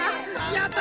やった！